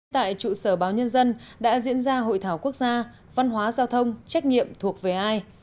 tại trụ sở báo nhân dân đã diễn ra hội thảo quốc gia văn hóa giao thông trách nhiệm thuộc về ai